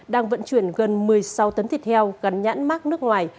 đang vận chuyển gần một mươi sáu tấn thịt heo gắn nhãn mắc nước ngoài